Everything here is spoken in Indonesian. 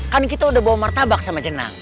kan kita udah bawa martabak sama jenang